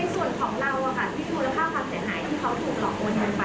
ในส่วนของเราอ่ะค่ะพี่ฟูและข้าวคลับจะหายที่เขาถูกหล่อโอนไปเท่าไหร่ค่ะ